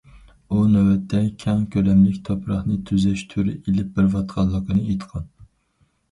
ئۇ نۆۋەتتە كەڭ كۆلەملىك تۇپراقنى تۈزەش تۈرى ئېلىپ بېرىلىۋاتقانلىقىنى ئېيتقان.